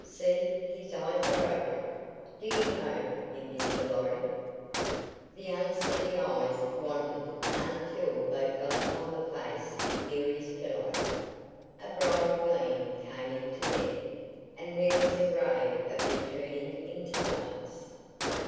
See, his eyes are open! Do you know me, Mr. Lorry?" The unsteady eyes wandered until they fell upon the face near his pillow. A brighter gleam came into them, and there was a ray of returning intelligence.